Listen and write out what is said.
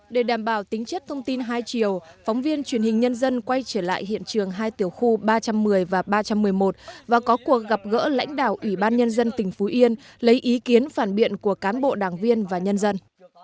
để đảm bảo tính chất thông tin hai chiều phóng viên truyền hình nhân dân quay trở lại hiện trường hai tiểu khu ba trăm một mươi và ba trăm một mươi một và có cuộc gặp gỡ lãnh đạo ủy ban nhân dân tỉnh phú yên lấy ý kiến phản biện của cán bộ đảng viên và nhân dân